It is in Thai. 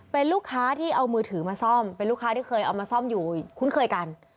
เป็นลูกค้าที่เอามือถือมาซ่อมเป็นลูกค้าที่เคยเอามาซ่อมอยู่คุ้นเคยกัน